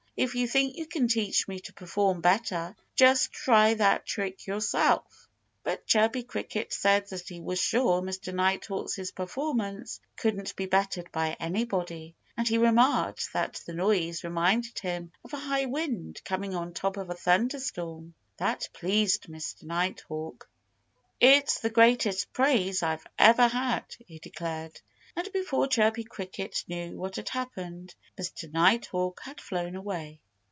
"If you think you can teach me to perform better, just try that trick yourself!" But Chirpy Cricket said that he was sure Mr. Nighthawk's performance couldn't be bettered by anybody. And he remarked that the noise reminded him of a high wind coming on top of a thunder storm. That pleased Mr. Nighthawk. "It's the greatest praise I've ever had!" he declared. And before Chirpy Cricket knew what had happened, Mr. Nighthawk had flown away.